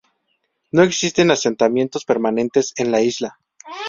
No existen asentamientos permanentes en la isla.